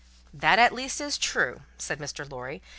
"That at least is true," said Mr. Lorry.